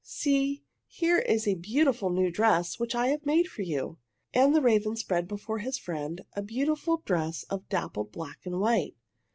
"See! here is a beautiful new dress which I have made for you!" And the raven spread before his friend a beautiful dress of dappled black and white.